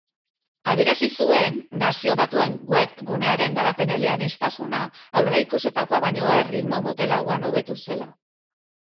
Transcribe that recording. Adierazi zuen Nazio Batuen web gunearen garapen eleaniztuna aurreikusitakoa baino erritmo motelagoan hobetu zela.